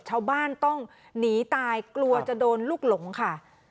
ชาวบ้านต้องหนีตายกลัวจะโดนลูกหลงค่ะ